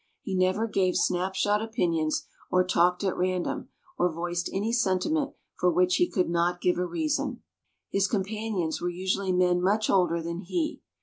He never gave snapshot opinions, or talked at random, or voiced any sentiment for which he could not give a reason. His companions were usually men much older than he.